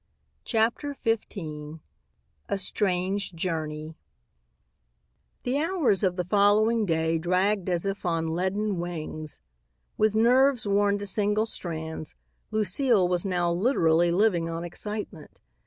CHAPTER XV A STRANGE JOURNEY The hours of the following day dragged as if on leaden wings. With nerves worn to single strands, Lucile was now literally living on excitement.